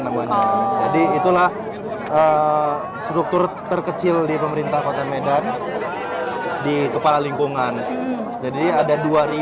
namanya jadi itulah struktur terkecil di pemerintah kota medan di kepala lingkungan jadi ada